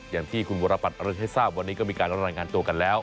อย่างที่คุณบรรปัชน์เอาเรื่องให้ทราบวันนี้ก็มีการรายงานตัวกันแล้ว